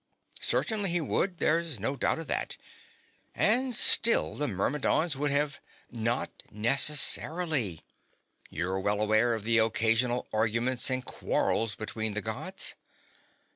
"Certainly he would. There is no doubt of that. And still the Myrmidons would have " "Not necessarily. You're well aware of the occasional arguments and quarrels between the Gods."